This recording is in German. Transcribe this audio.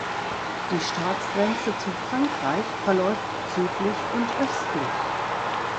Die Staatsgrenze zu Frankreich verläuft südlich und östlich.